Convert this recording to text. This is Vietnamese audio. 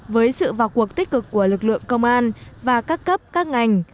với sự vào cuộc tích cực của lực lượng công an và các cấp các ngành